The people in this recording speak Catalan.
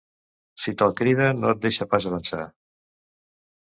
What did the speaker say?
Si te'l crida no et deixa pas avançar.